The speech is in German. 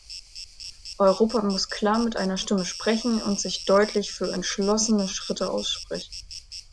Europa muss klar mit einer Stimme sprechen und sich deutlich für entschlossene Schritte aussprechen.